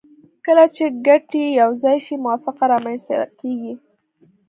کله چې ګټې یو ځای شي موافقه رامنځته کیږي